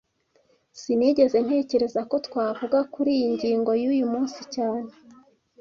Sinigeze ntekereza ko twavuga kuriyi ngingo uyu munsi cyane